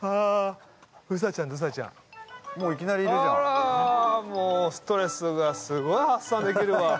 あら、もうストレスがすごい発散できるわ。